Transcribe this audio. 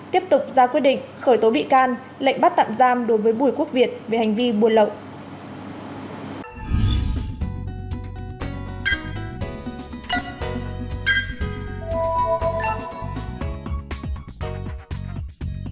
tiếp tục ra quyết định khởi tố bị can lệnh bắt tạm giam đối với bùi quốc việt về hành vi buôn lậu